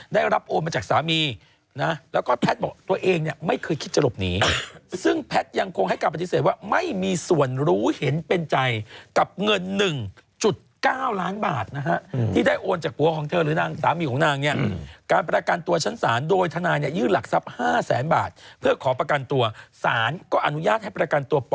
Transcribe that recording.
ได้รับโอนมาจากสามีนะแล้วก็แพทย์บอกตัวเองเนี่ยไม่เคยคิดจะหลบหนีซึ่งแพทย์ยังคงให้การปฏิเสธว่าไม่มีส่วนรู้เห็นเป็นใจกับเงิน๑๙ล้านบาทนะฮะที่ได้โอนจากผัวของเธอหรือนางสามีของนางเนี่ยการประกันตัวชั้นศาลโดยทนายเนี่ยยื่นหลักทรัพย์๕แสนบาทเพื่อขอประกันตัวสารก็อนุญาตให้ประกันตัวป